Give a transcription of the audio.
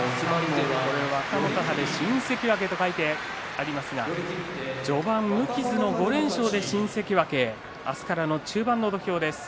若元春、新関脇と書いてありますが序盤、無傷の５連勝で新関脇明日からの中盤の土俵です。